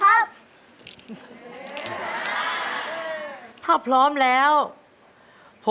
ผมจะเลือกเฉลยจากเรื่องลำดับยาตรเป็นข้อแรกครับ